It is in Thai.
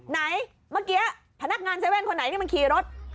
ไหนเมื่อกี้พนักงาน๗๑๑คนไหนให้เคียรส